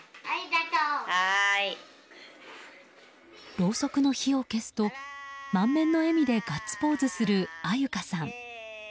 ろうそくの火を消すと満面の笑みでガッツポーズする安優香さん。